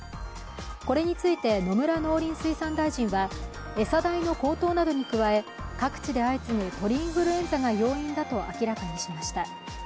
これについて野村農林水産大臣は餌代の高騰などに加え、各地で相次ぐ鳥インフルエンザが要因だと明らかにしました。